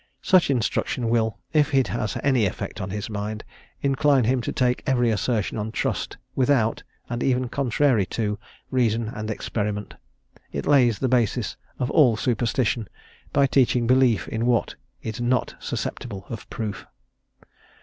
Such instruction will, if it has any effect on his mind, incline him to take every assertion on trust, without, and even contrary to, reason and experiment; it lays the basis of all superstition, by teaching belief in what is not susceptible of proof.